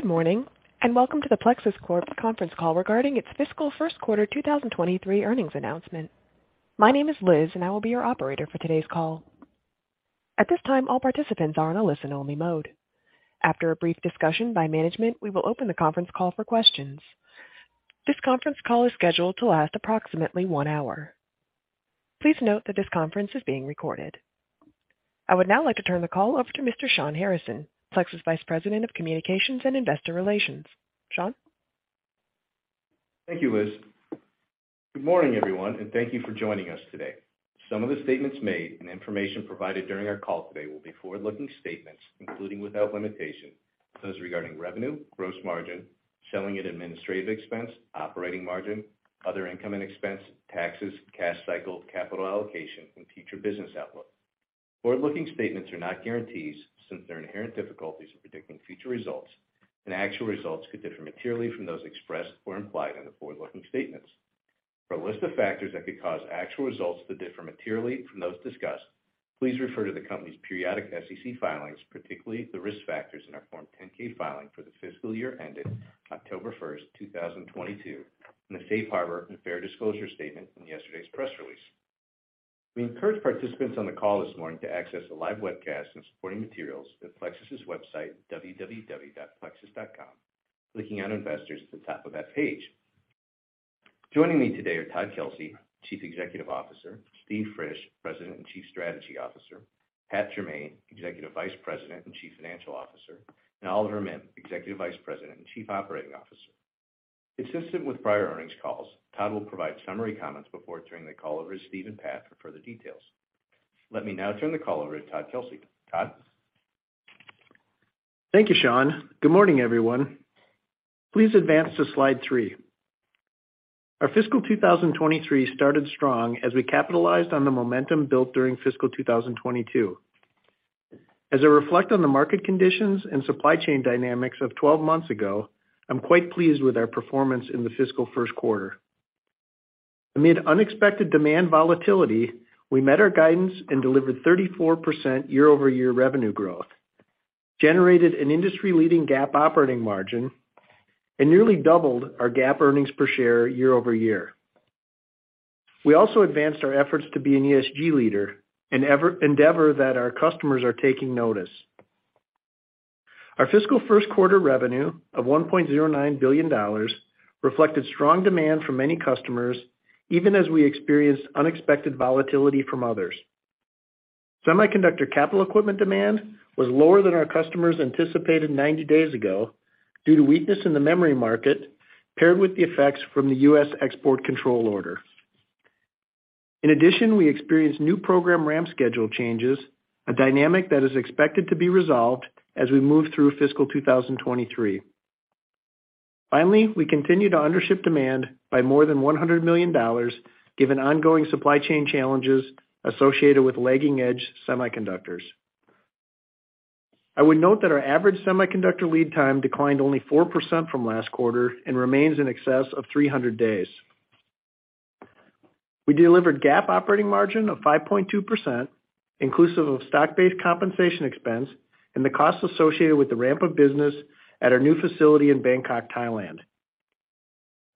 Good morning, and welcome to the Plexus Corp. conference call regarding its fiscal first quarter 2023 earnings announcement. My name is Liz, and I will be your operator for today's call. At this time, all participants are on a listen-only mode. After a brief discussion by management, we will open the conference call for questions. This conference call is scheduled to last approximately one hour. Please note that this conference is being recorded. I would now like to turn the call over to Mr. Shawn Harrison, Plexus Vice President of Communications and Investor Relations. Shawn? Thank you, Liz. Good morning, everyone, thank you for joining us today. Some of the statements made and information provided during our call today will be forward-looking statements, including without limitation, those regarding revenue, gross margin, selling and administrative expense, operating margin, other income and expense, taxes, cash cycle, capital allocation, and future business outlook. Forward-looking statements are not guarantees since there are inherent difficulties in predicting future results, actual results could differ materially from those expressed or implied in the forward-looking statements. For a list of factors that could cause actual results to differ materially from those discussed, please refer to the company's periodic SEC filings, particularly the Risk Factors in our Form 10-K filing for the fiscal year ended October first, 2022, in the Safe Harbor and Fair Disclosure statement in yesterday's press release. We encourage participants on the call this morning to access a live webcast and supporting materials at Plexus's website, www.plexus.com, clicking on Investors at the top of that page. Joining me today are Todd Kelsey, Chief Executive Officer; Steve Frisch, President and Chief Strategy Officer; Pat Jermain, Executive Vice President and Chief Financial Officer; and Oliver Mihm, Executive Vice President and Chief Operating Officer. Consistent with prior earnings calls, Todd will provide summary comments before turning the call over to Steve and Pat for further details. Let me now turn the call over to Todd Kelsey. Todd? Thank you, Shawn. Good morning, everyone. Please advance to slide three. Our fiscal 2023 started strong as we capitalized on the momentum built during fiscal 2022. As I reflect on the market conditions and supply chain dynamics of 12 months ago, I'm quite pleased with our performance in the fiscal first quarter. Amid unexpected demand volatility, we met our guidance and delivered 34% year-over-year revenue growth, generated an industry-leading GAAP operating margin, and nearly doubled our GAAP earnings per share year-over-year. We also advanced our efforts to be an ESG leader, an endeavor that our customers are taking notice. Our fiscal first quarter revenue of $1.09 billion reflected strong demand from many customers, even as we experienced unexpected volatility from others. Semiconductor Capital Equipment demand was lower than our customers anticipated 90 days ago due to weakness in the memory market, paired with the effects from the U.S. export control order. We experienced new program ramp schedule changes, a dynamic that is expected to be resolved as we move through fiscal 2023. We continue to undership demand by more than $100 million given ongoing supply chain challenges associated with lagging-edge semiconductors. I would note that our average semiconductor lead time declined only 4% from last quarter and remains in excess of 300 days. We delivered GAAP operating margin of 5.2%, inclusive of stock-based compensation expense and the costs associated with the ramp of business at our new facility in Bangkok, Thailand.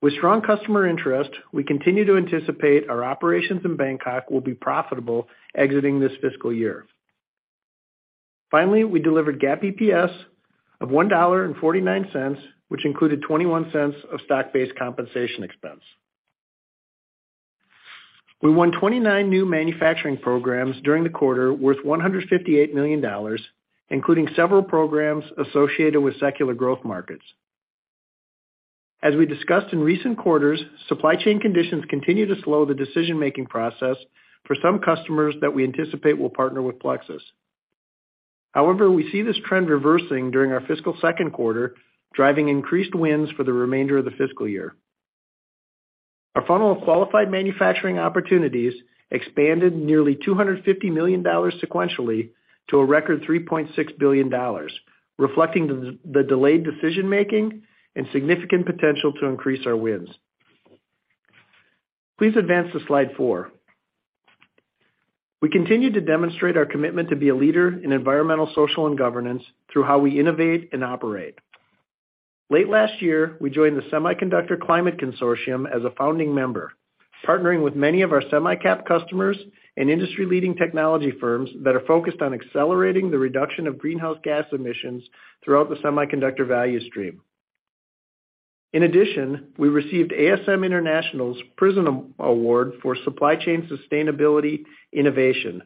With strong customer interest, we continue to anticipate our operations in Bangkok will be profitable exiting this fiscal year. Finally, we delivered GAAP EPS of $1.49, which included $0.21 of stock-based compensation expense. We won 29 new manufacturing programs during the quarter worth $158 million, including several programs associated with secular growth markets. As we discussed in recent quarters, supply chain conditions continue to slow the decision-making process for some customers that we anticipate will partner with Plexus. However, we see this trend reversing during our fiscal second quarter, driving increased wins for the remainder of the fiscal year. Our funnel of qualified manufacturing opportunities expanded nearly $250 million sequentially to a record $3.6 billion, reflecting the delayed decision-making and significant potential to increase our wins. Please advance to slide four. We continue to demonstrate our commitment to be a leader in environmental, social, and governance through how we innovate and operate. Late last year, we joined the Semiconductor Climate Consortium as a founding member, partnering with many of our semi-cap customers and industry-leading technology firms that are focused on accelerating the reduction of greenhouse gas emissions throughout the semiconductor value stream. We received ASM International's PRISM Award for Supply Chain Sustainability Innovation.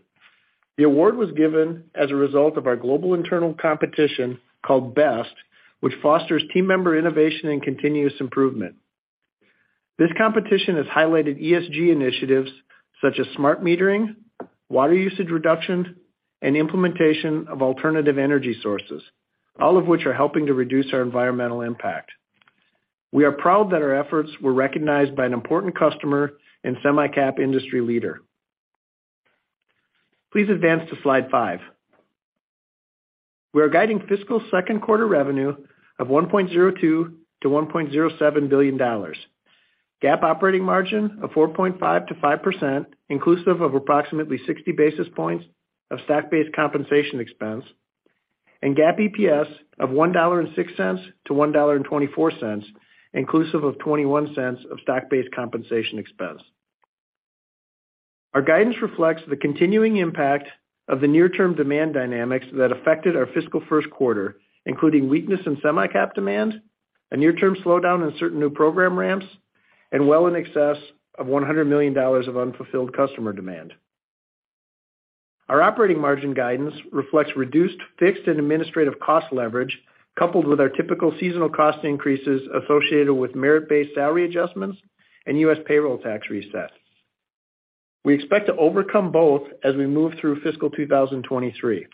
The award was given as a result of our global internal competition, called BEST, which fosters team member innovation and continuous improvement. This competition has highlighted ESG initiatives such as smart metering, water usage reduction, and implementation of alternative energy sources, all of which are helping to reduce our environmental impact. We are proud that our efforts were recognized by an important customer and semi-cap industry leader. Please advance to slide five. We are guiding fiscal second quarter revenue of $1.02 billion-$1.07 billion. GAAP operating margin of 4.5%-5%, inclusive of approximately 60 basis points of stock-based compensation expense, and GAAP EPS of $1.06-$1.24, inclusive of $0.21 of stock-based compensation expense. Our guidance reflects the continuing impact of the near-term demand dynamics that affected our fiscal first quarter, including weakness in semi-cap demand, a near-term slowdown in certain new program ramps, and well in excess of $100 million of unfulfilled customer demand. Our operating margin guidance reflects reduced fixed and administrative cost leverage, coupled with our typical seasonal cost increases associated with merit-based salary adjustments and U.S. payroll tax resets. We expect to overcome both as we move through fiscal 2023.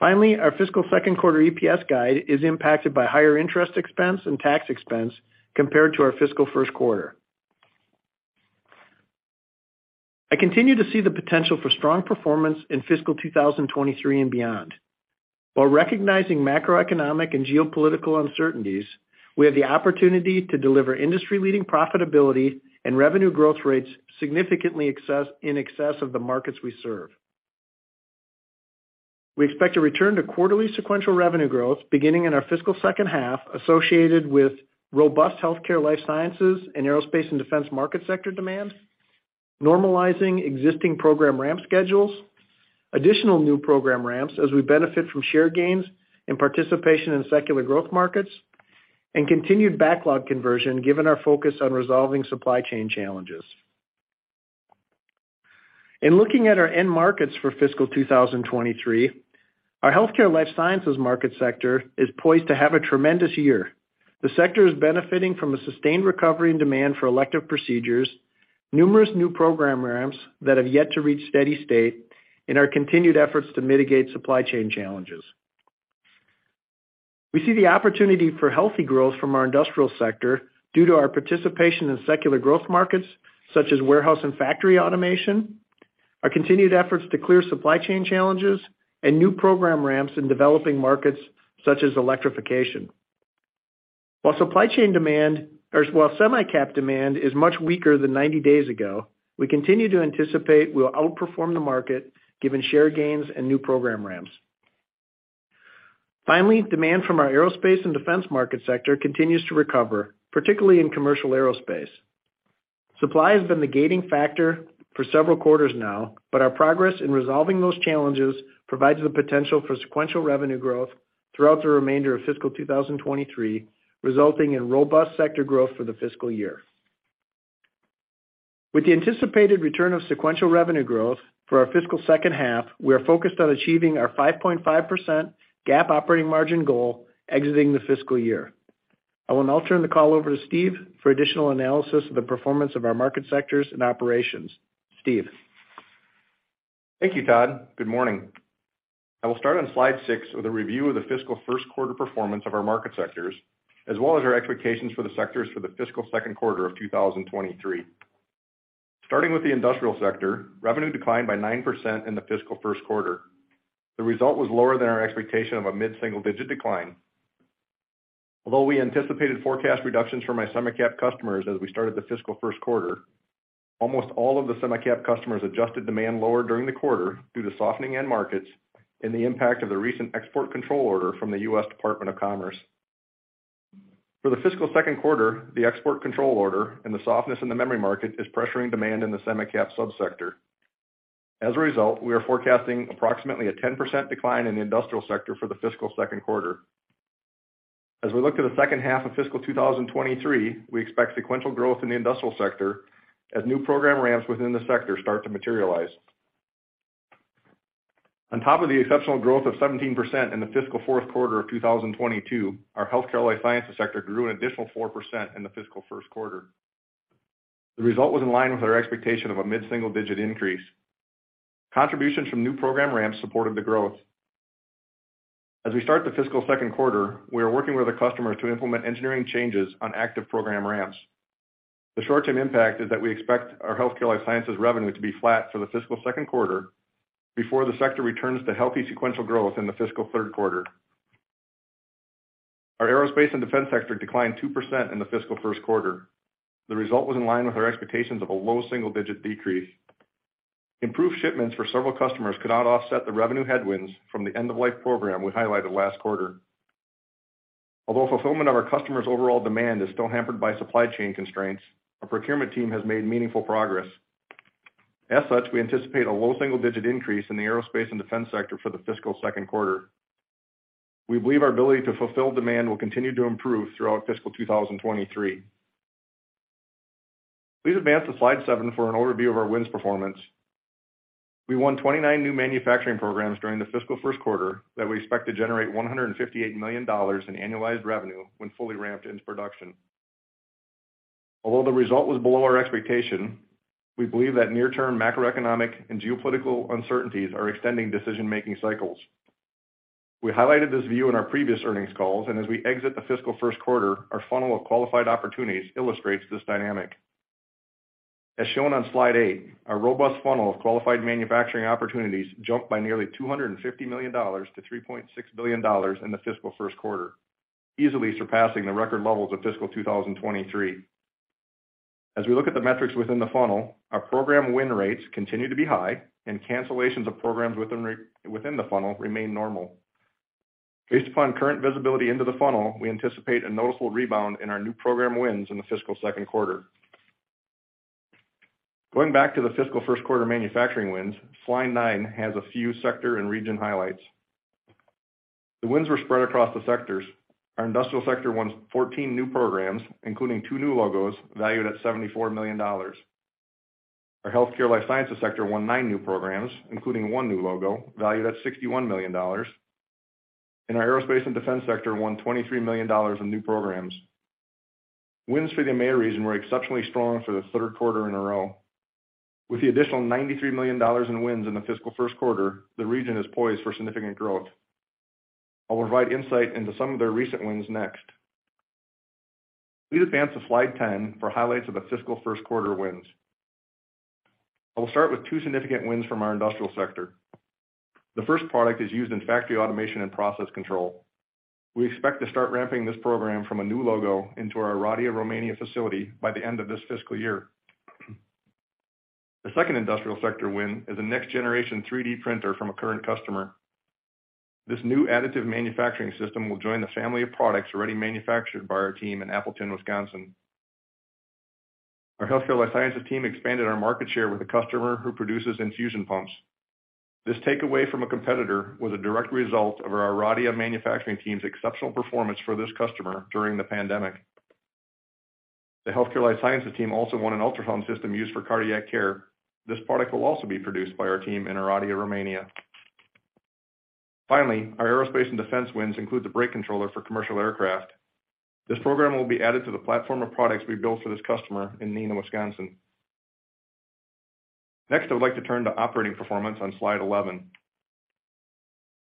Our fiscal second quarter EPS guide is impacted by higher interest expense and tax expense compared to our fiscal first quarter. I continue to see the potential for strong performance in fiscal 2023 and beyond. While recognizing macroeconomic and geopolitical uncertainties, we have the opportunity to deliver industry-leading profitability and revenue growth rates in excess of the markets we serve. We expect to return to quarterly sequential revenue growth beginning in our fiscal second Healthcare/Life Sciences and Aerospace/Defense market sector demand, normalizing existing program ramp schedules, additional new program ramps as we benefit from share gains and participation in secular growth markets, and continued backlog conversion given our focus on resolving supply chain challenges. In looking at our end markets for Healthcare/Life Sciences market sector is poised to have a tremendous year. The sector is benefiting from a sustained recovery and demand for elective procedures, numerous new program ramps that have yet to reach steady state, and our continued efforts to mitigate supply chain challenges. We see the opportunity for healthy growth from our industrial sector due to our participation in secular growth markets such as warehouse and factory automation, our continued efforts to clear supply chain challenges, and new program ramps in developing markets such as electrification. While supply chain demand or while semi-cap demand is much weaker than 90 days ago, we continue to anticipate we'll outperform the market given share gains and new program ramps. Finally, demand from our Aerospace/Defense market sector continues to recover, particularly in commercial aerospace. Supply has been the gating factor for several quarters now, but our progress in resolving those challenges provides the potential for sequential revenue growth throughout the remainder of fiscal 2023, resulting in robust sector growth for the fiscal year. With the anticipated return of sequential revenue growth for our fiscal second half, we are focused on achieving our 5.5% GAAP operating margin goal exiting the fiscal year. I will now turn the call over to Steve for additional analysis of the performance of our market sectors and operations. Steve? Thank you, Todd. Good morning. I will start on slide six with a review of the fiscal first quarter performance of our market sectors, as well as our expectations for the sectors for the fiscal second quarter of 2023. Starting with the industrial sector, revenue declined by 9% in the fiscal first quarter. The result was lower than our expectation of a mid-single-digit decline. We anticipated forecast reductions from our semi-cap customers as we started the fiscal first quarter, almost all of the semi-cap customers adjusted demand lower during the quarter due to softening end markets and the impact of the recent export control order from the U.S. Department of Commerce. For the fiscal second quarter, the export control order and the softness in the memory market is pressuring demand in the semi-cap sub-sector. As a result, we are forecasting approximately a 10% decline in the industrial sector for the fiscal second quarter. As we look to the second half of fiscal 2023, we expect sequential growth in the industrial sector as new program ramps within the sector start to materialize. On top of the exceptional growth of 17% in the fiscal fourth quarter Healthcare/Life Sciences sector grew an additional 4% in the fiscal first quarter. The result was in line with our expectation of a mid-single-digit increase. Contributions from new program ramps supported the growth. As we start the fiscal second quarter, we are working with the customers to implement engineering changes on active program ramps. The short-term impact is that Healthcare/Life Sciences revenue to be flat for the fiscal second quarter before the sector returns to healthy sequential growth in the fiscal third quarter. Our Aerospace/Defense sector declined 2% in the fiscal first quarter. The result was in line with our expectations of a low single-digit decrease. Improved shipments for several customers could not offset the revenue headwinds from the end-of-life program we highlighted last quarter. Fulfillment of our customers' overall demand is still hampered by supply chain constraints, our procurement team has made meaningful progress. We anticipate a low single-digit increase in the Aerospace/Defense sector for the fiscal second quarter. We believe our ability to fulfill demand will continue to improve throughout fiscal 2023. Please advance to slide seven for an overview of our wins performance. We won 29 new manufacturing programs during the fiscal first quarter that we expect to generate $158 million in annualized revenue when fully ramped into production. Although the result was below our expectation, we believe that near-term macroeconomic and geopolitical uncertainties are extending decision-making cycles. We highlited this in our previous earnings calls, and sas we exit the fiscal first quarter, our funnel of qualified opportunities illustrates this dynamic. As shown on slide eight, our robust funnel of qualified manufacturing opportunities jumped by nearly $250 million to $3.6 billion in the fiscal first quarter, easily surpassing the record levels of fiscal 2023. As we look at the metrics within the funnel, our program win rates continue to be high and cancellations of programs within the funnel remain normal. Based upon current visibility into the funnel, we anticipate a noticeable rebound in our new program wins in the fiscal second quarter. Going back to the fiscal first quarter manufacturing wins, slide nine has a few sector and region highlights. The wins were spread across the sectors. Our Industrial sector won 14 new programs, including two new logos valued at $74 million. Healthcare/Life Sciences sector won nine new programs, including one new logo valued at $61 million. Our Aerospace/Defense sector won $23 million in new programs. Wins for the EMEA region were exceptionally strong for the third quarter in a row. With the additional $93 million in wins in the fiscal first quarter, the region is poised for significant growth. I will provide insight into some of their recent wins next. Please advance to slide 10 for highlights of the fiscal first quarter wins. I will start with two significant wins from our Industrial sector. The first product is used in factory automation and process control. We expect to start ramping this program from a new logo into our Oradea, Romania facility by the end of this fiscal year. The second industrial sector win is a next-generation 3D printer from a current customer. This new additive manufacturing system will join the family of products already manufactured by our team in Appleton, Wisconsin. This product will also be produced by our team in Oradea, Romania. Finally, our Aerospace/Defense wins include the brake controller for commercial aircraft. This program will be added to the platform of products we built for this customer in Neenah, Wisconsin. Next, I would like to turn to operating performance on slide 11.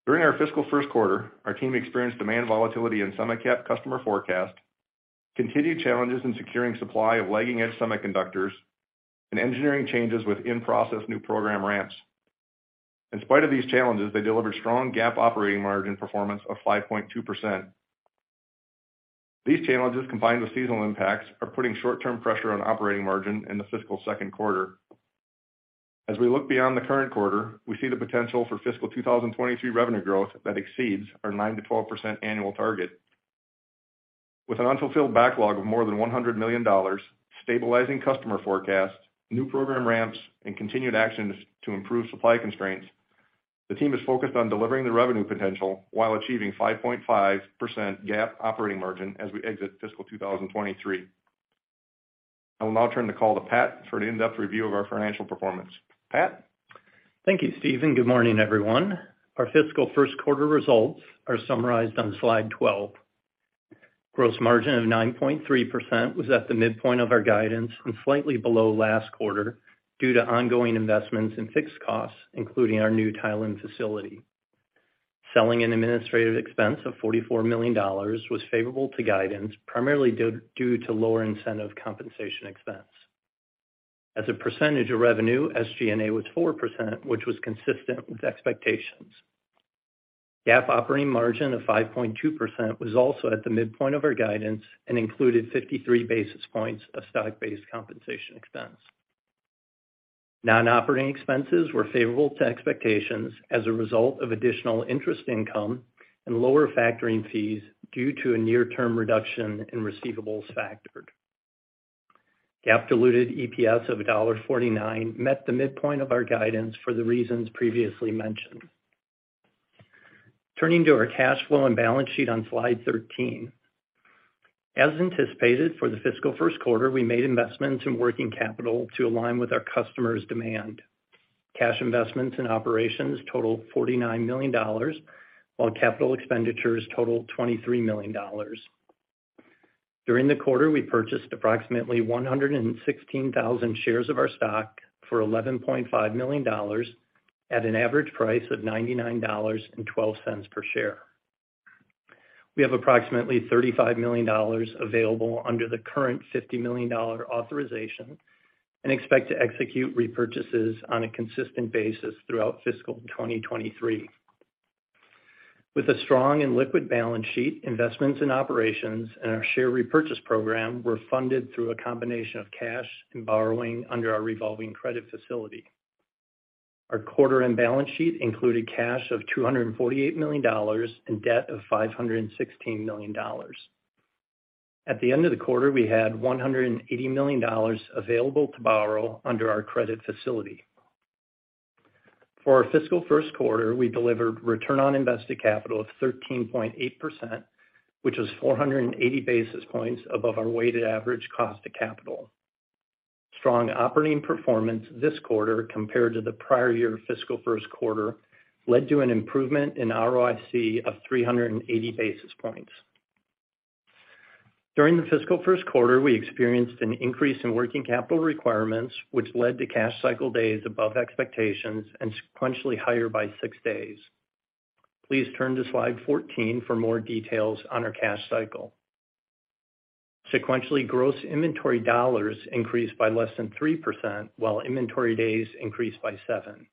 During our fiscal first quarter, our team experienced demand volatility in semi-cap customer forecast, continued challenges in securing supply of lagging-edge semiconductors, and engineering changes with in-process new program ramps. In spite of these challenges, they delivered strong GAAP operating margin performance of 5.2%. These challenges, combined with seasonal impacts, are putting short-term pressure on operating margin in the fiscal second quarter. As we look beyond the current quarter, we see the potential for fiscal 2023 revenue growth that exceeds our 9%-12% annual target. With an unfulfilled backlog of more than $100 million, stabilizing customer forecast, new program ramps, and continued actions to improve supply constraints, the team is focused on delivering the revenue potential while achieving 5.5% GAAP operating margin as we exit fiscal 2023. I will now turn the call to Pat for an in-depth review of our financial performance. Pat? Thank you, Steve. Good morning, everyone. Our fiscal first quarter results are summarized on slide 12. Gross margin of 9.3% was at the midpoint of our guidance and slightly below last quarter due to ongoing investments in fixed costs, including our new Thailand facility. Selling and administrative expense of $44 million was favorable to guidance, primarily due to lower incentive compensation expense. As a percentage of revenue, SG&A was 4%, which was consistent with expectations. GAAP operating margin of 5.2% was also at the midpoint of our guidance and included 53 basis points of stock-based compensation expense. Non-operating expenses were favorable to expectations as a result of additional interest income and lower factoring fees due to a near-term reduction in receivables factored. GAAP diluted EPS of $1.49 met the midpoint of our guidance for the reasons previously mentioned. Turning to our cash flow and balance sheet on slide 13. As anticipated for the fiscal first quarter, we made investments in working capital to align with our customers' demand. Cash investments in operations totaled $49 million, while capital expenditures totaled $23 million. During the quarter, we purchased approximately 116,000 shares of our stock for $11.5 million at an average price of $99.12 per share. We have approximately $35 million available under the current $50 million authorization and expect to execute repurchases on a consistent basis throughout fiscal 2023. With a strong and liquid balance sheet, investments in operations and our share repurchase program were funded through a combination of cash and borrowing under our revolving credit facility. Our quarter-end balance sheet included cash of $248 million and debt of $516 million. At the end of the quarter, we had $180 million available to borrow under our revolving credit facility. For our fiscal first quarter, we delivered return on invested capital of 13.8%, which was 480 basis points above our weighted average cost of capital. Strong operating performance this quarter compared to the prior-year fiscal first quarter led to an improvement in ROIC of 380 basis points. During the fiscal first quarter, we experienced an increase in working capital requirements, which led to cash cycle days above expectations and sequentially higher by six days. Please turn to slide 14 for more details on our cash cycle. Sequentially, gross inventory dollars increased by less than 3%, while inventory days increased by seven.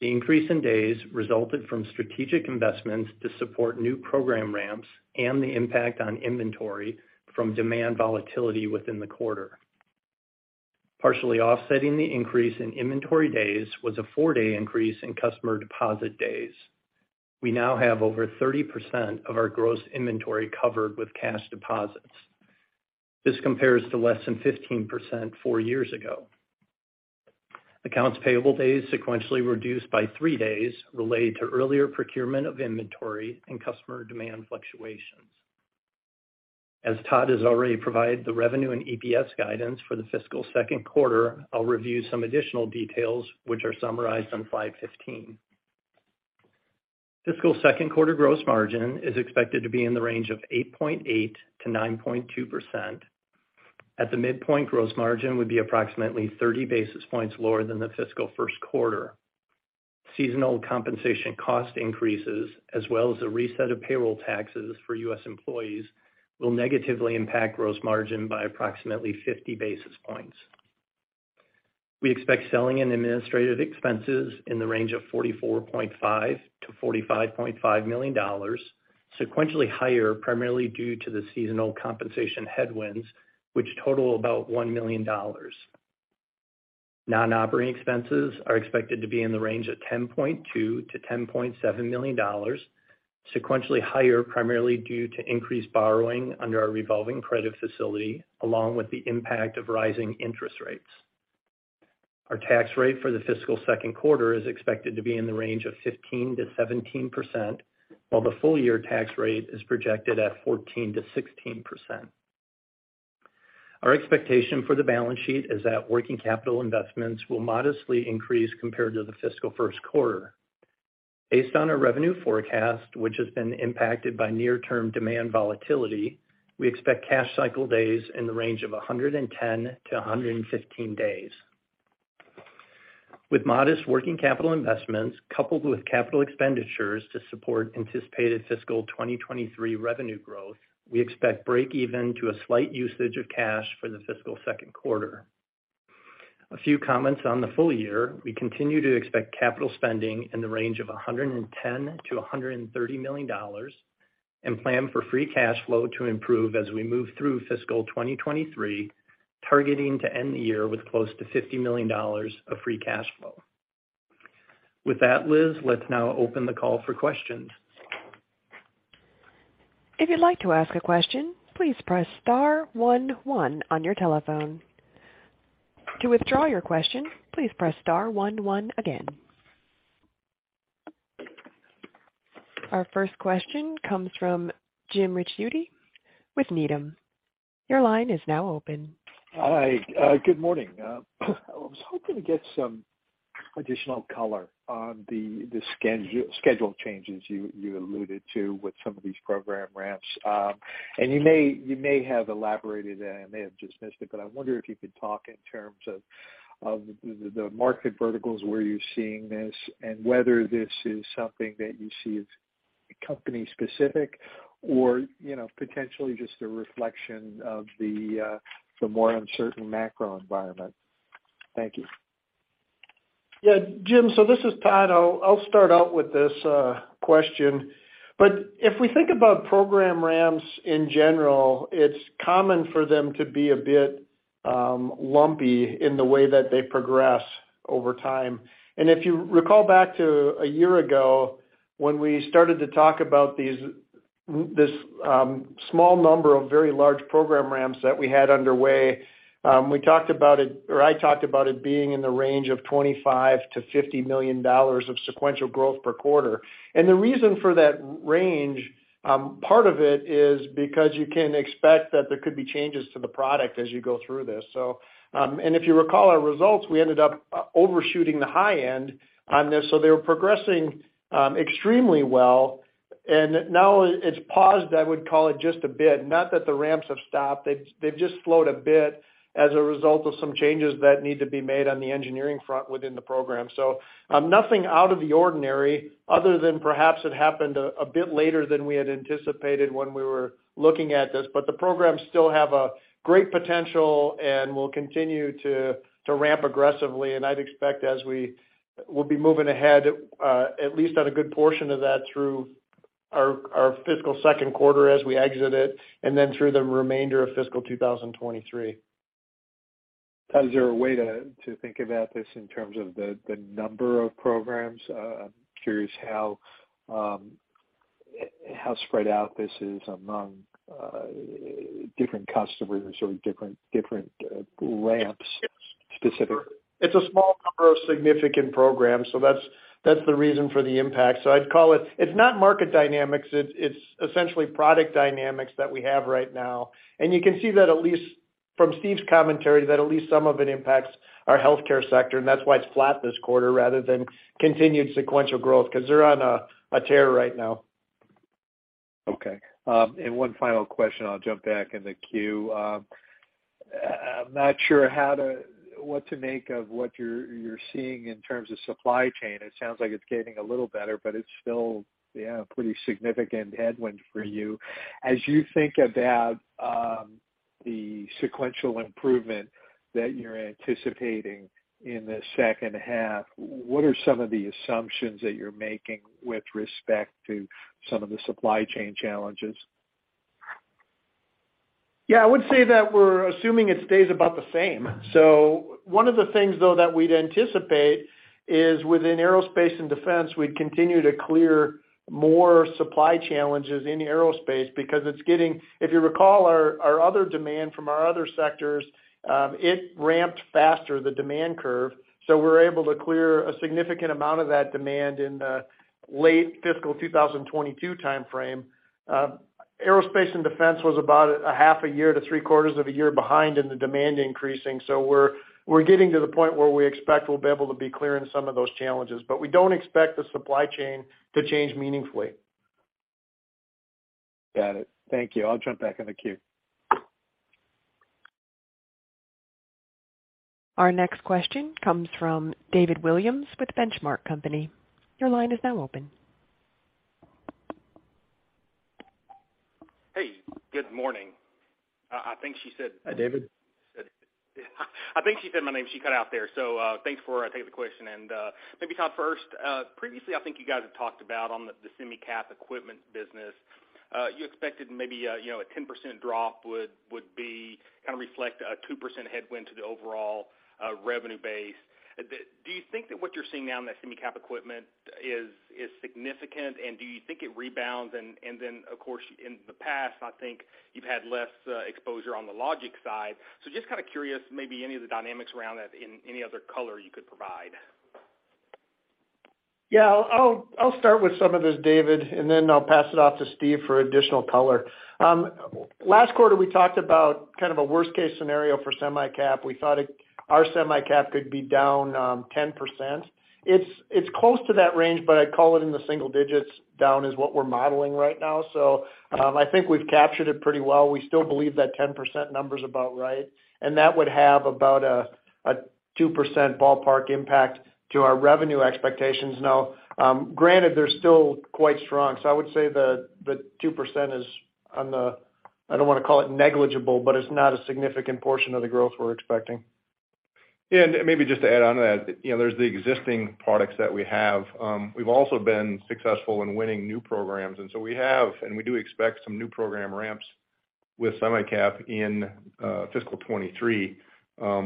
The increase in days resulted from strategic investments to support new program ramps and the impact on inventory from demand volatility within the quarter. Partially offsetting the increase in inventory days was a four-day increase in customer deposit days. We now have over 30% of our gross inventory covered with cash deposits. This compares to less than 15% four years ago. Accounts payable days sequentially reduced by three days related to earlier procurement of inventory and customer demand fluctuations. As Todd has already provided the revenue and EPS guidance for the fiscal second quarter, I'll review some additional details which are summarized on slide 15. Fiscal second quarter gross margin is expected to be in the range of 8.8%-9.2%. At the midpoint, gross margin would be approximately 30 basis points lower than the fiscal first quarter. Seasonal compensation cost increases as well as the reset of payroll taxes for U.S. employees will negatively impact gross margin by approximately 50 basis points. We expect selling and administrative expenses in the range of $44.5 million-$45.5 million, sequentially higher primarily due to the seasonal compensation headwinds, which total about $1 million. Non-operating expenses are expected to be in the range of $10.2 million-$10.7 million, sequentially higher primarily due to increased borrowing under our revolving credit facility, along with the impact of rising interest rates. Our tax rate for the fiscal second quarter is expected to be in the range of 15%-17%, while the full year tax rate is projected at 14%-16%. Our expectation for the balance sheet is that working capital investments will modestly increase compared to the fiscal first quarter. Based on our revenue forecast, which has been impacted by near-term demand volatility, we expect cash cycle days in the range of 110-115 days. With modest working capital investments coupled with capital expenditures to support anticipated fiscal 2023 revenue growth, we expect break even to a slight usage of cash for the fiscal second quarter. A few comments on the full year. We continue to expect capital spending in the range of $110 million-$130 million and plan for free cash flow to improve as we move through fiscal 2023, targeting to end the year with close to $50 million of free cash flow. Liz, let's now open the call for questions. If you'd like to ask a question, please press star one one on your telephone. To withdraw your question, please press star one one again. Our first question comes from James Ricchiuti with Needham. Your line is now open. Hi. Good morning. I was hoping to get some additional color on the schedule changes you alluded to with some of these program ramps. You may have elaborated and I may have just missed it, but I wonder if you could talk in terms of the market verticals where you're seeing this and whether this is something that you see as company specific or, you know, potentially just a reflection of the more uncertain macro environment. Thank you. Yeah. Jim, this is Todd. I'll start out with this question. If we think about program ramps in general, it's common for them to be a bit lumpy in the way that they progress over time. If you recall back to a year ago when we started to talk about this small number of very large program ramps that we had underway, we talked about it, or I talked about it being in the range of $25 million-$50 million of sequential growth per quarter. The reason for that range, part of it is because you can expect that there could be changes to the product as you go through this. If you recall our results, we ended up overshooting the high end on this, so they were progressing extremely well. Now it's paused, I would call it just a bit, not that the ramps have stopped. They've just slowed a bit as a result of some changes that need to be made on the engineering front within the program. Nothing out of the ordinary other than perhaps it happened a bit later than we had anticipated when we were looking at this. The programs still have a great potential and will continue to ramp aggressively. I'd expect as we'll be moving ahead, at least on a good portion of that through our fiscal second quarter as we exit it, and then through the remainder of fiscal 2023. Is there a way to think about this in terms of the number of programs? I'm curious how spread out this is among different customers or different ramps specifically. It's a small number of significant programs, that's the reason for the impact. I'd call it. It's not market dynamics. It's essentially product dynamics that we have right now. You can see that at least from Steve's commentary, that at least some of it impacts our Healthcare sector, and that's why it's flat this quarter rather than continued sequential growth, 'cause they're on a tear right now. Okay. One final question, I'll jump back in the queue. I'm not sure what to make of what you're seeing in terms of supply chain. It sounds like it's getting a little better, but it's still, yeah, a pretty significant headwind for you. As you think about the sequential improvement that you're anticipating in the second half, what are some of the assumptions that you're making with respect to some of the supply chain challenges? Yeah, I would say that we're assuming it stays about the same. One of the things though that we'd anticipate is within Aerospace/Defense, we'd continue to clear more supply challenges in Aerospace because if you recall our other demand from our other sectors, it ramped faster, the demand curve. We're able to clear a significant amount of that demand in the late fiscal 2022 timeframe. Aerospace/Defense was about a half a year to three quarters of a year behind in the demand increasing. We're getting to the point where we expect we'll be able to be clear in some of those challenges. We don't expect the supply chain to change meaningfully. Got it. Thank you. I'll jump back in the queue. Our next question comes from David Williams with Benchmark Company. Your line is now open. Hey, good morning. Hi, David. I think she said my name. She cut out there. Thanks for taking the question. Maybe Todd first, previously I think you guys have talked about on the semi-cap equipment business, you expected maybe, you know, a 10% drop would be kinda reflect a 2% headwind to the overall revenue base. Do you think that what you're seeing now in that semi-cap equipment is significant, and do you think it rebounds? Then, of course, in the past, I think you've had less exposure on the logic side. Just kind of curious, maybe any of the dynamics around that in any other color you could provide. Yeah. I'll start with some of this, David, and then I'll pass it off to Steve for additional color. Last quarter we talked about kind of a worst case scenario for semi-cap. We thought our semi-cap could be down 10%. It's close to that range, but I'd call it in the single digits down is what we're modeling right now. I think we've captured it pretty well. We still believe that 10% number's about right, and that would have about a 2% ballpark impact to our revenue expectations. Now, granted, they're still quite strong, so I would say the 2% is on the, I don't wanna call it negligible, but it's not a significant portion of the growth we're expecting. Maybe just to add on to that, you know, there's the existing products that we have. We've also been successful in winning new programs, we have, and we do expect some new program ramps with semi-cap in fiscal 2023,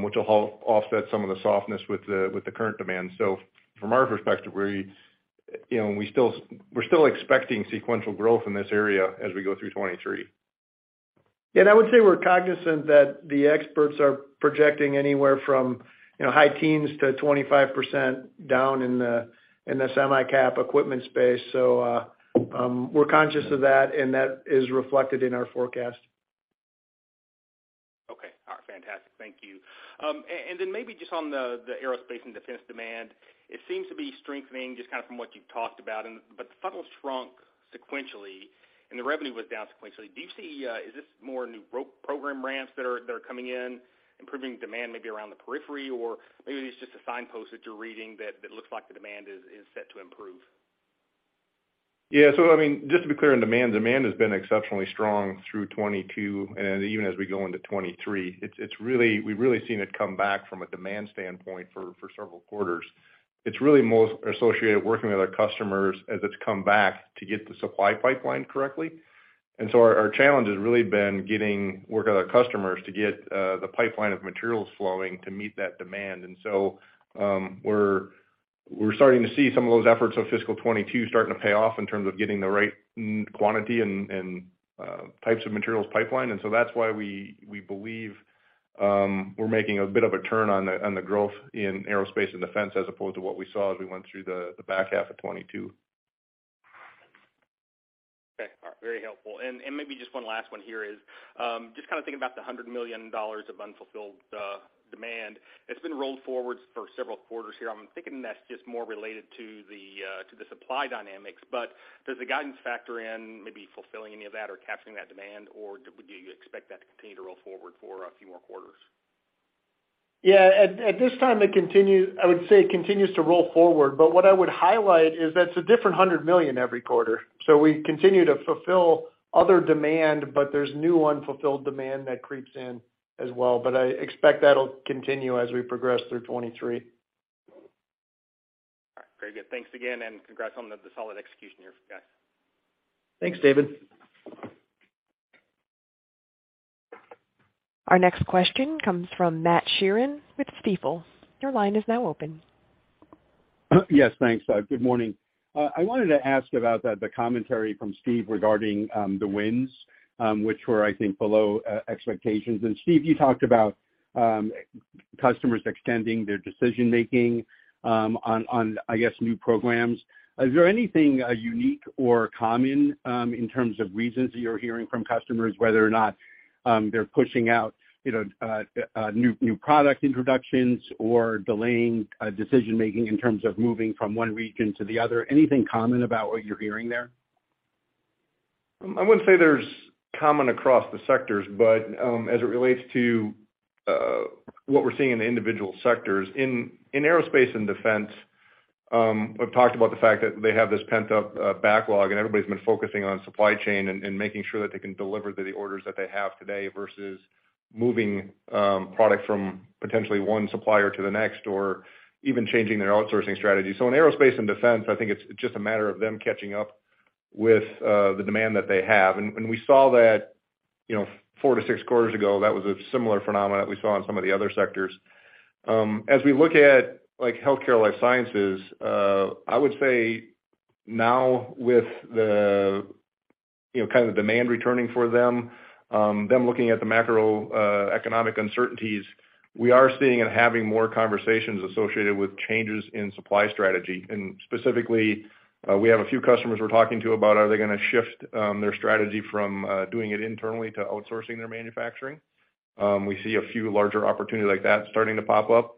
which will offset some of the softness with the current demand. From our perspective, we, you know, we're still expecting sequential growth in this area as we go through 2023. I would say we're cognizant that the experts are projecting anywhere from, you know, high teens to 25% down in the semi-cap equipment space. We're conscious of that, and that is reflected in our forecast. Okay. All right. Fantastic. Thank you. Maybe just on the Aerospace/Defense demand, it seems to be strengthening just kind of from what you've talked about but the funnel shrunk sequentially and the revenue was down sequentially. Do you see, is this more new program ramps that are coming in, improving demand maybe around the periphery, or maybe it's just a signpost that you're reading that looks like the demand is set to improve? Just to be clear on demand has been exceptionally strong through 2022, even as we go into 2023. We've really seen it come back from a demand standpoint for several quarters. It's really most associated working with our customers as it's come back to get the supply pipeline correctly. Our challenge has really been getting work out of customers to get the pipeline of materials flowing to meet that demand. We're starting to see some of those efforts of fiscal 2022 starting to pay off in terms of getting the right quantity and types of materials pipelined. That's why we believe, we're making a bit of a turn on the, on the growth in Aerospace/Defense as opposed to what we saw as we went through the back half of 2022. Okay. All right. Very helpful. Maybe just one last one here is, just kind of thinking about the $100 million of unfulfilled demand. It's been rolled forward for several quarters here. I'm thinking that's just more related to the to the supply dynamics. Does the guidance factor in maybe fulfilling any of that or capturing that demand, or do you expect that to continue to roll forward for a few more quarters? Yeah. At this time, I would say it continues to roll forward. What I would highlight is that it's a different $100 million every quarter. We continue to fulfill other demand, but there's new unfulfilled demand that creeps in as well. I expect that'll continue as we progress through 2023. All right. Very good. Thanks again, and congrats on the solid execution here, guys. Thanks, David. Our next question comes from Matt Sheerin with Stifel. Your line is now open. Yes. Thanks. Good morning. I wanted to ask about the commentary from Steve regarding the wins, which were, I think, below expectations. Steve, you talked about customers extending their decision-making on, I guess, new programs. Is there anything unique or common in terms of reasons that you're hearing from customers whether or not they're pushing out, you know, new product introductions or delaying decision-making in terms of moving from one region to the other? Anything common about what you're hearing there? I wouldn't say there's common across the sectors, but as it relates to what we're seeing in the individual sectors, in Aerospace/Defense, I've talked about the fact that they have this pent-up backlog and everybody's been focusing on supply chain and making sure that they can deliver the orders that they have today versus moving product from potentially one supplier to the next or even changing their outsourcing strategy. In Aerospace/Defense, I think it's just a matter of them catching up with the demand that they have. We saw that, you know, four to six quarters ago, that was a similar phenomenon that we saw in some of the other sectors. As we look at Healthcare/Life Sciences, I would say now with the, you know, kind of demand returning for them looking at the macro economic uncertainties, we are seeing and having more conversations associated with changes in supply strategy. Specifically, we have a few customers we're talking to about are they gonna shift their strategy from doing it internally to outsourcing their manufacturing. We see a few larger opportunities like that starting to pop up.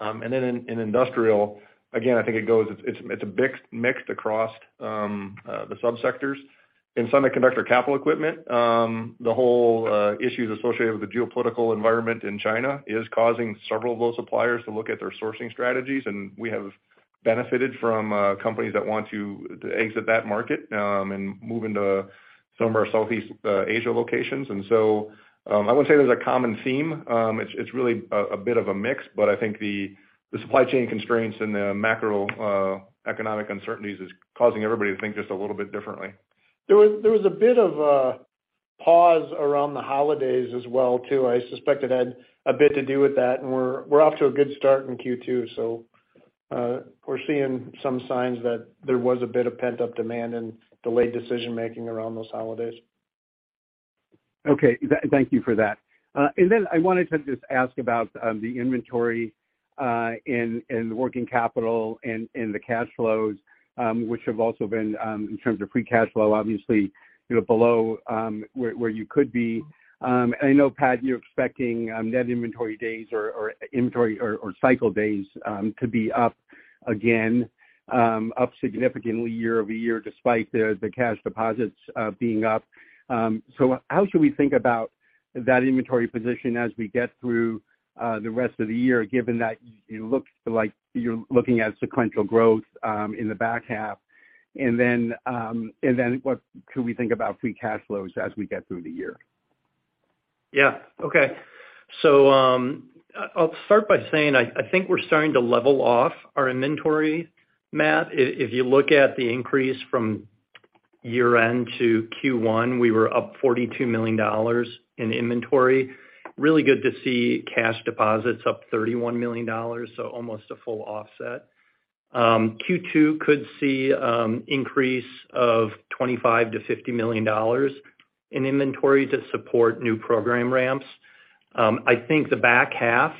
In industrial, again, I think it goes it's, it's a mix across the subsectors. In Semiconductor Capital Equipment, the whole issues associated with the geopolitical environment in China is causing several of those suppliers to look at their sourcing strategies, and we have benefited from companies that want to exit that market and move into some of our Southeast Asia locations. I would say there's a common theme. It's really a bit of a mix, but I think the supply chain constraints and the macro economic uncertainties is causing everybody to think just a little bit differently. There was a bit of a pause around the holidays as well too. I suspect it had a bit to do with that, and we're off to a good start in Q2. We're seeing some signs that there was a bit of pent-up demand and delayed decision-making around those holidays. Okay. Thank you for that. I wanted to just ask about the inventory, and the working capital and the cash flows, which have also been in terms of free cash flow, obviously, you know, below where you could be. I know, Pat, you're expecting net inventory days or inventory or cycle days to be up again, up significantly year-over-year despite the cash deposits being up. How should we think about that inventory position as we get through the rest of the year, given that it looks like you're looking at sequential growth in the back half? What could we think about free cash flows as we get through the year? Yeah. Okay. I'll start by saying, I think we're starting to level off our inventory, Matt. If you look at the increase from year-end to Q1, we were up $42 million in inventory. Really good to see cash deposits up $31 million, so almost a full offset. Q2 could see increase of $25 million-$50 million in inventory to support new program ramps. I think the back half,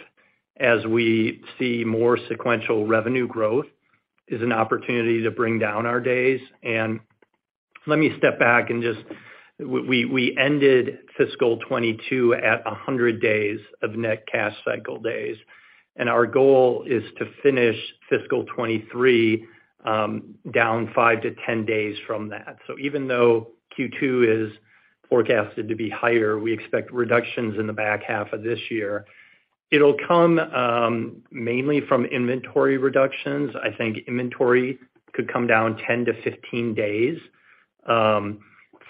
as we see more sequential revenue growth, is an opportunity to bring down our days. We ended fiscal 2022 at 100 days of net cash cycle days, and our goal is to finish fiscal 2023 down five to 10 days from that. Even though Q2 is forecasted to be higher, we expect reductions in the back half of this year. It'll come mainly from inventory reductions. I think inventory could come down 10-15 days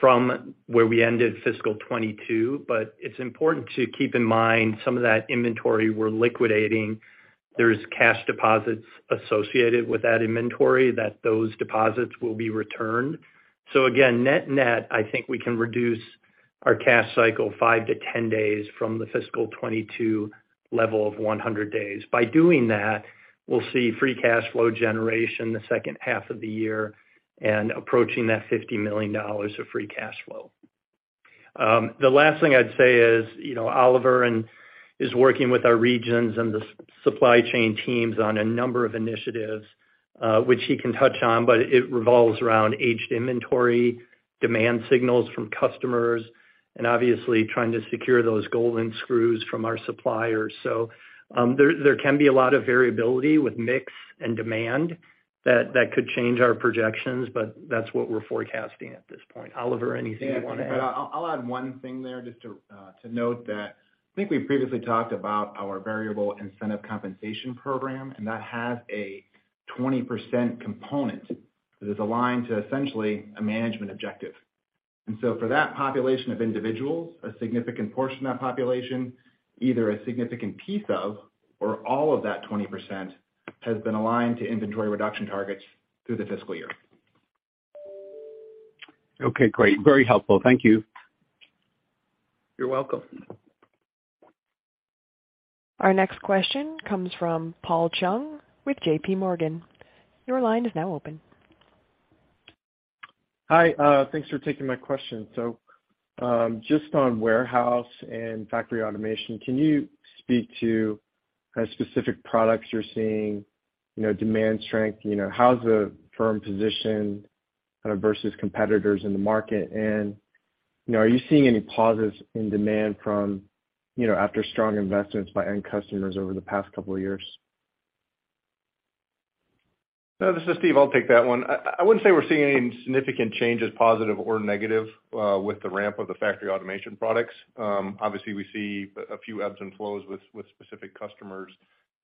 from where we ended fiscal 2022. It's important to keep in mind some of that inventory we're liquidating, there's cash deposits associated with that inventory, that those deposits will be returned. Again, net-net, I think we can reduce our cash cycle five to 10 days from the fiscal 2022 level of 100 days. By doing that, we'll see free cash flow generation the second half of the year and approaching that $50 million of free cash flow. The last thing I'd say is Oliver is working with our regions and the supply chain teams on a number of initiatives, which he can touch on, but it revolves around aged inventory, demand signals from customers, and obviously trying to secure those golden screws from our suppliers. There can be a lot of variability with mix and demand that could change our projections, but that's what we're forecasting at this point. Oliver, anything you wanna add? Yeah. I'll add one thing there just to note that I think we've previously talked about our variable incentive compensation program. That has a 20% component that is aligned to essentially a management objective. For that population of individuals, a significant portion of that population, either a significant piece of or all of that 20% has been aligned to inventory reduction targets through the fiscal year. Okay, great. Very helpful. Thank you. You're welcome. Our next question comes from Paul Chung with JPMorgan. Your line is now open. Hi, thanks for taking my question. Just on warehouse and factory automation, can you speak to kind of specific products you're seeing, you know, demand strength? You know, how's the firm positioned kind of versus competitors in the market? You know, are you seeing any pauses in demand from, you know, after strong investments by end customers over the past couple of years? This is Steve. I'll take that one. I wouldn't say we're seeing any significant changes, positive or negative, with the ramp of the factory automation products. Obviously, we see a few ebbs and flows with specific customers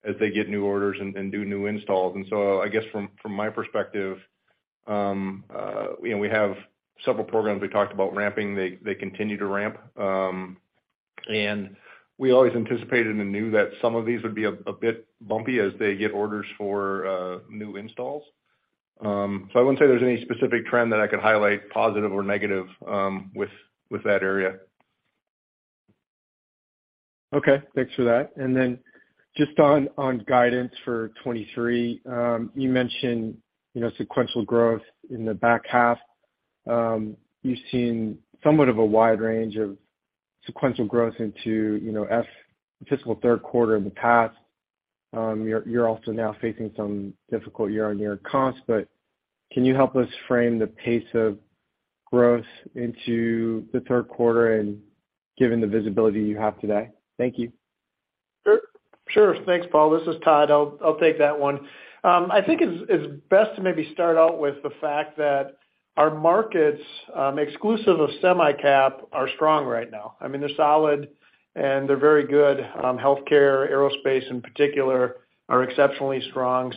as they get new orders and do new installs. I guess from my perspective, you know, we have several programs we talked about ramping. They continue to ramp. We always anticipated and knew that some of these would be a bit bumpy as they get orders for new installs. I wouldn't say there's any specific trend that I could highlight positive or negative, with that area. Okay. Thanks for that. Just on guidance for 2023. You mentioned, you know, sequential growth in the back half. You've seen somewhat of a wide range of sequential growth into, you know, fiscal third quarter in the past. You're also now facing some difficult year-on-year costs, can you help us frame the pace of growth into the third quarter and given the visibility you have today? Thank you. Sure. Thanks, Paul. This is Todd. I'll take that one. I think it's best to maybe start out with the fact that our markets, exclusive of semi-cap, are strong right now. I mean, they're solid, and they're very good. Healthcare, Aerospace in particular, are exceptionally strong.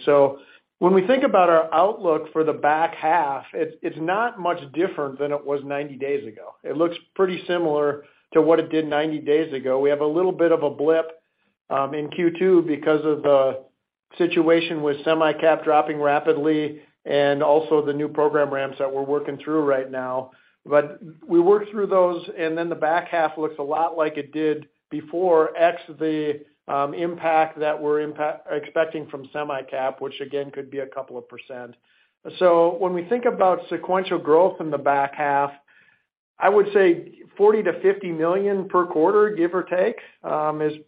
When we think about our outlook for the back half, it's not much different than it was 90 days ago. It looks pretty similar to what it did 90 days ago. We have a little bit of a blip in Q2 because of the situation with semi-cap dropping rapidly and also the new program ramps that we're working through right now. We work through those, and then the back half looks a lot like it did before, ex the impact that we're expecting from semi-cap, which again could be a couple of percent. When we think about sequential growth in the back half, I would say $40 million-$50 million per quarter, give or take,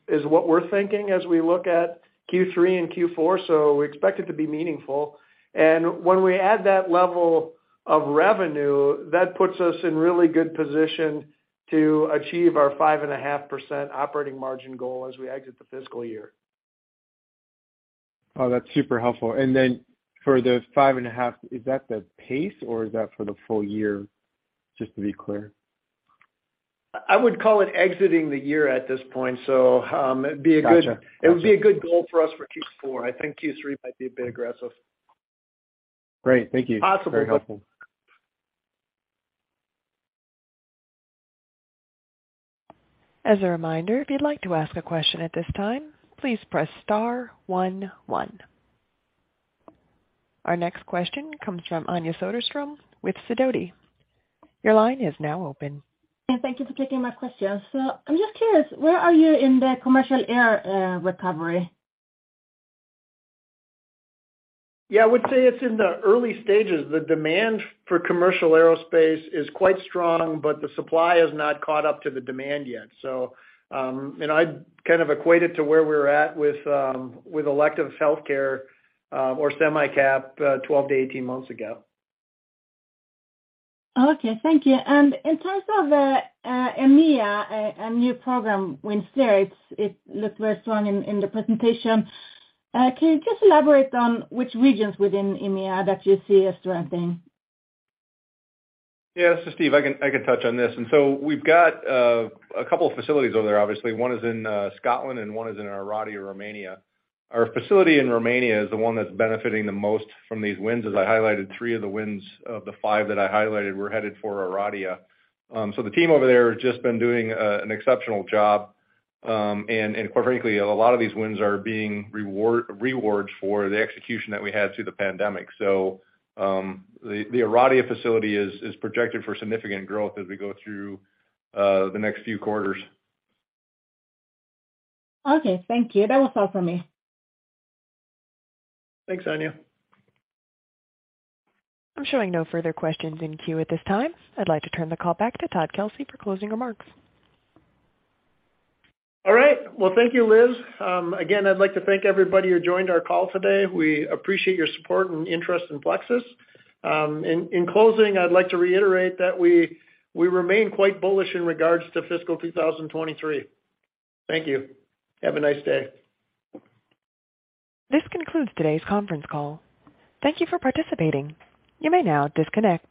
is what we're thinking as we look at Q3 and Q4. We expect it to be meaningful. When we add that level of revenue, that puts us in really good position to achieve our 5.5% operating margin goal as we exit the fiscal year. Oh, that's super helpful. Then for the 5.5%, is that the pace, or is that for the full year, just to be clear? I would call it exiting the year at this point. it'd be a. Gotcha. It would be a good goal for us for Q4. I think Q3 might be a bit aggressive. Great. Thank you. Possible. Very helpful. As a reminder, if you'd like to ask a question at this time, please press star one one. Our next question comes from Anja Soderstrom with Sidoti. Your line is now open. Thank you for taking my question. I'm just curious, where are you in the commercial air recovery? Yeah. I would say it's in the early stages. The demand for commercial aerospace is quite strong, but the supply has not caught up to the demand yet. And I'd kind of equate it to where we're at with elective Healthcare or semi-cap 12 to 18 months ago. Okay, thank you. In terms of EMEA, new program Winster, it looked very strong in the presentation. Can you just elaborate on which regions within EMEA that you see as strengthening? Yeah. This is Steve. I can touch on this. We've got a couple of facilities over there. Obviously, one is in Scotland and one is in Oradea, Romania. Our facility in Romania is the one that's benefiting the most from these wins. As I highlighted, three of the wins of the 5 that I highlighted were headed for Oradea. The team over there has just been doing an exceptional job. Quite frankly, a lot of these wins are being reward for the execution that we had through the pandemic. The Oradea facility is projected for significant growth as we go through the next few quarters. Okay, thank you. That was all for me. Thanks, Anja. I'm showing no further questions in queue at this time. I'd like to turn the call back to Todd Kelsey for closing remarks. All right. Well, thank you, Liz. Again, I'd like to thank everybody who joined our call today. We appreciate your support and interest in Plexus. In closing, I'd like to reiterate that we remain quite bullish in regards to fiscal 2023. Thank you. Have a nice day. This concludes today's conference call. Thank you for participating. You may now disconnect.